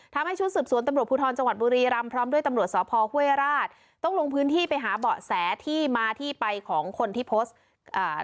ทำให้ชุดสืบสวนตำรวจภูทรจังหวัดบุรีรำพร้อมด้วยตำรวจสพห้วยราชต้องลงพื้นที่ไปหาเบาะแสที่มาที่ไปของคนที่โพสต์อ่า